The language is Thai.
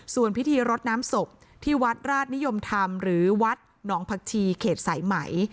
ส่วนพิธีรดน้ำศพที่วัดราชนิยมธรรมหรือวัดหนองผักชีเขตสายไหม